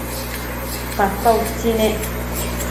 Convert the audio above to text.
papa utsi nec